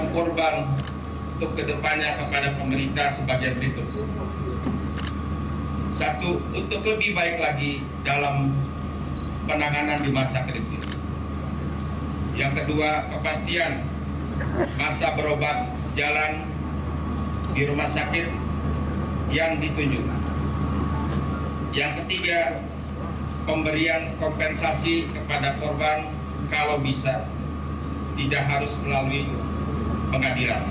kepada korban kalau bisa tidak harus melalui pengadilan